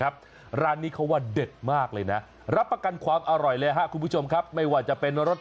ประลงอุปกรณ์อีกแล้วเนี่ย